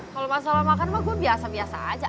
kalau masalah makan mah gue biasa biasa aja